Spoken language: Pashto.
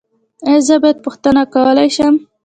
ایا زه بیا پوښتنه کولی شم؟